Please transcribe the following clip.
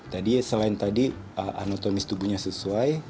tadi selain tadi anotomis tubuhnya sesuai